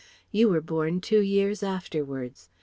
You were born two years afterwards.